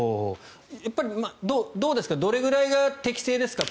やっぱりどうですかどれぐらいが適正ですか？